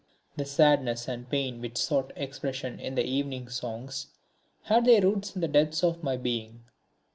The sadness and pain which sought expression in the Evening Songs had their roots in the depths of my being.